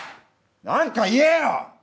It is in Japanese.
何か言えよ！